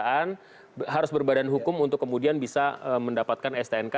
seorang penduduk kendaraan harus berbadan hukum untuk kemudian bisa mendapatkan stnk